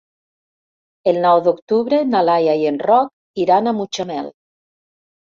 El nou d'octubre na Laia i en Roc iran a Mutxamel.